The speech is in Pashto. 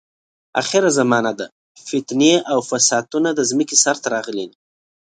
اخره زمانه ده، فتنې او فسادونه د ځمکې سر ته راغلي دي.